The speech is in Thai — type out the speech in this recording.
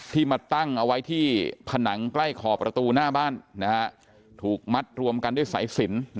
มาตั้งเอาไว้ที่ผนังใกล้ขอบประตูหน้าบ้านถูกมัดรวมกันด้วยสายสิน